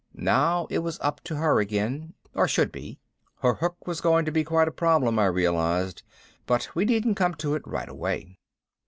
Now it was up to her again, or should be. Her hook was going to be quite a problem, I realized, but we needn't come to it right away.